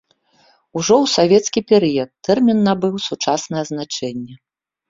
Ужо ў савецкі перыяд тэрмін набыў сучаснае значэння.